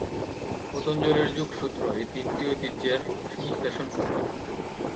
পতঞ্জলির যোগসূত্র এই তিনটি ঐতিহ্যের সংশ্লেষণ হতে পারে।